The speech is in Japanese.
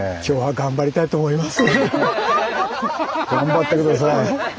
頑張って下さい。